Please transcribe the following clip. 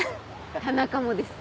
田中もです。